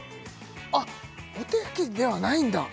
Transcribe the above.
あっお手拭きではないんだ